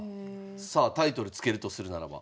さあタイトル付けるとするならば？